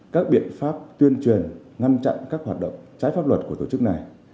các biện pháp tuyên truyền ngăn chặn các hoạt động trái pháp luật của tổ chức này